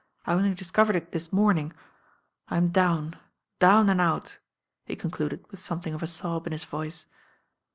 I only discovered it this morning. I'm down, down and out," he concluded with something of a sob in his voice.